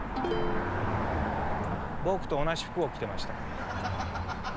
僕と同じ服を着てました。